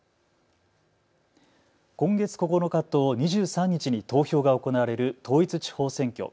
今月９日と２３日に投票が行われる統一地方選挙。